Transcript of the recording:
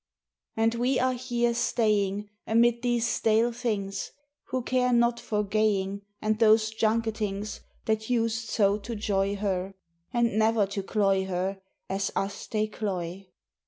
And we are here staying Amid these stale things Who care not for gaying, And those junketings That used so to joy her, And never to cloy her As us they cloy!